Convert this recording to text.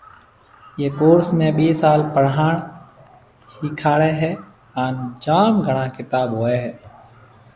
ايئي ڪورس ۾ ٻي سال پڙهاڻ هِيکاڙي هيَ هانَ جام گھڻا ڪتاب هوئي هيَ